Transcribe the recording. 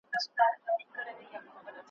چي هر څوک پر لاري ځي ده ته عیبجن وي ,